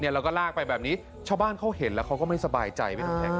เราก็ลากไปแบบนี้เช้าบ้านเขาเห็นแล้วเขาก็ไม่สบายใจ